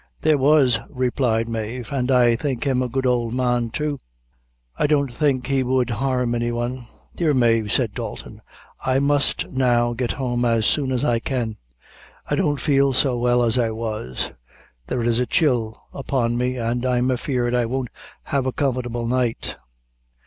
"There was," replied Mave, "and I think him a good ould man too. I don't think he would harm any one." "Dear Mave," said Dalton, "I must now get home as soon as I can; I don't feel so well as I was there is a chill upon me, and I'm afeared I won't have a comfortable night."